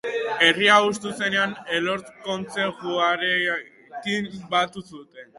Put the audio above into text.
Herria hustu zenean Elortz kontzejuarekin batu zuten.